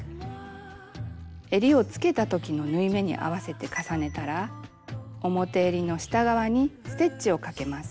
えりをつけたときの縫い目に合わせて重ねたら表えりの下側にステッチをかけます。